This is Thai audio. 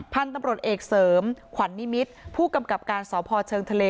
พันธุ์ตำรวจเอกเสริมขวัญนิมิตรผู้กำกับการสพเชิงทะเล